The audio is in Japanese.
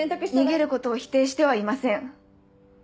逃げることを否定してはいません。